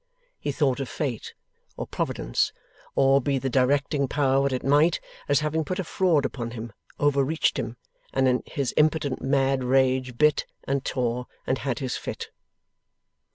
He thought of Fate, or Providence, or be the directing Power what it might, as having put a fraud upon him overreached him and in his impotent mad rage bit, and tore, and had his fit.